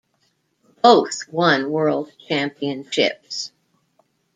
Both won world championships.